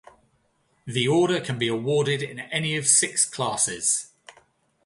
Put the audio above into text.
The Order can be awarded in any of six classes.